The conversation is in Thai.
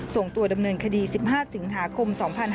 ส่งตัวดำเนินคดี๑๕สิงหาคม๒๕๕๙